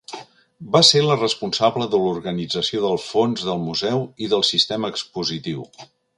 Va ser la responsable de l’organització del fons del museu i del sistema expositiu.